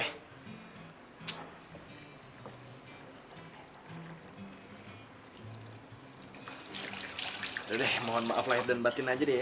deh mohon maaf lahir dan batin aja deh